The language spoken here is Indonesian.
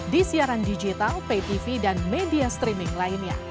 di siaran digital pay tv dan media streaming lainnya